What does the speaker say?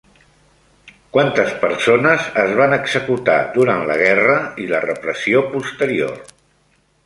Quantes persones es van executar durant la guerra i la repressió posterior?